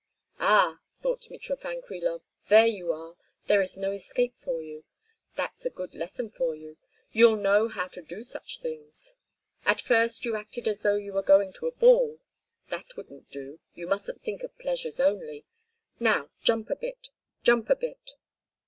"Ah!" thought Mitrofan Krilov. "There you are! There is no escape for you. That's a good lesson for you; you'll know how to do such things. At first you acted as though you were going to a ball; that wouldn't do, you mustn't think of pleasures only. Now jump a bit, jump a bit!"